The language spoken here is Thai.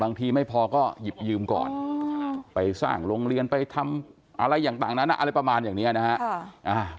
บางทีไม่พอก็หยิบยืมก่อนไปสร้างโรงเรียนไปทำอะไรอย่างต่างนั้นอะไรประมาณอย่างนี้นะฮะ